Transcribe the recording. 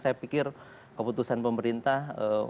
saya pikir keputusan pemerintah